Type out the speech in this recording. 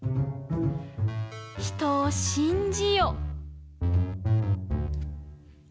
人を信じよ。